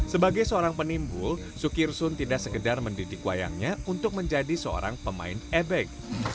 sebagai seorang penimbul sukirsun tidak sekedar mendidik wayangnya untuk menjadi seorang pemain ebek